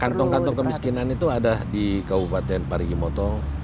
kantong kantong kemiskinan itu ada di kabupaten parigimoto